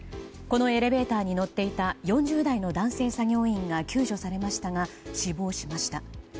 このエレベーターに乗っていた４０代の男性作業員が救助されましたが死亡しました。